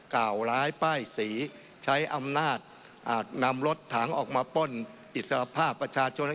กล่าวร้ายป้ายสีใช้อำนาจอาจนำรถถังออกมาป้นอิสระภาพประชาชน